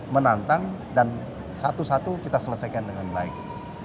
menantang dan satu satu kita selesaikan dengan baik